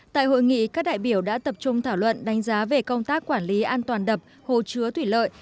tại hội nghị các đại biểu đã tập trung thảo luận đánh giá về công tác quản lý an toàn đập hồ chứa thủy lợi